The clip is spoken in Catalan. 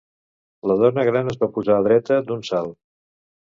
La dona gran es va posar dreta d'un salt.